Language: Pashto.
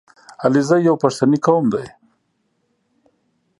• علیزي یو پښتني قوم دی.